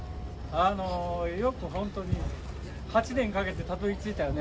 よく本当に、８年かけてたどりついたよね。